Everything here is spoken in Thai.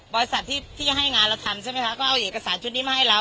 บริษัทที่จะให้งานเราทำใช่ไหมคะก็เอาเอกสารชุดนี้มาให้เรา